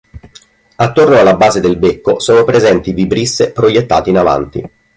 Attorno alla base del becco sono presenti vibrisse proiettate in avanti.